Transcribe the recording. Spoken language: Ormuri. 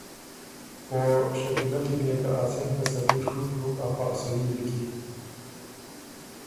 او شکیلۀ کی م يې که ا څېن تسلي ڒُوک بُک افا صحیح لِکی“